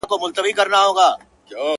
o د بارانه ولاړی، تر ناوې لاندي ئې شپه سوه٫